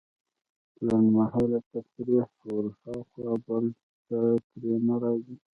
لنډمهالې تفريح وراخوا بل څه ترې نه راځي.